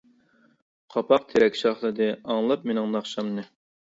قاپاق تېرەك شاخلىدى ئاڭلاپ مېنىڭ ناخشامنى.